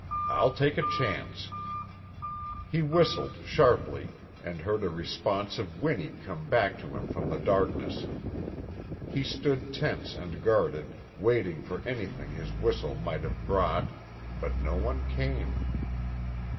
I'll take a chance." He whistled sharply, and heard a responsive whinny come back to him from the darkness. He stood tense and guarded, waiting for anything his whistle might have brought, but no one came.